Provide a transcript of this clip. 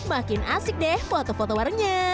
makin asik deh foto foto warungnya